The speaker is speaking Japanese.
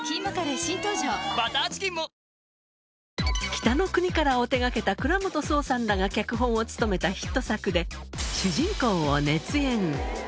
『北の国から』を手掛けた倉本さんらが脚本を務めたヒット作で主人公を熱演